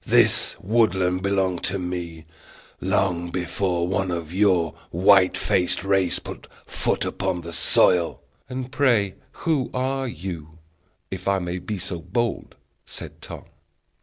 "This woodland belonged to me long before one of your white faced race put foot upon the soil." "And, pray, who are you, if I may be so bold?" said Tom.